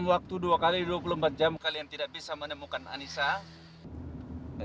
watu tersengat muka delicate pas menuju di lan unite